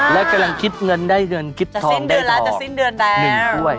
และกำลังคิดเงินได้เงินคิดทองได้ทอง๑ข้วย